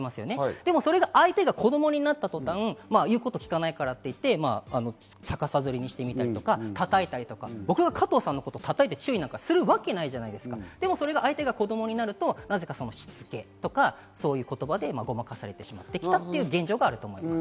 でも相手が子供になった途端、言うこと聞かないからって言って、逆さづりにしてみたり、叩いたり、僕が加藤さんのことを叩いて注意するわけないじゃないですか、でも相手が子供になると、なぜかしつけとか、そういう言葉でごまかされてしまうという現状があると思います。